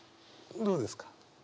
どうですか？